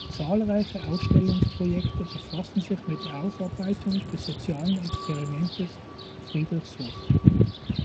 Zahlreiche Ausstellungsprojekte befassen sich mit der Aufarbeitung des sozialen Experimentes am Friedrichshof.